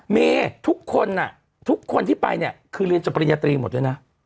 เมย์ทุกคนทุกคนที่ไปเนี่ยคือเรียนจบปริญญาตรีหมดด้วยนะ